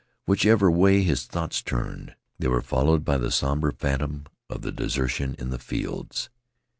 Whichever way his thoughts turned they were followed by the somber phantom of the desertion in the fields.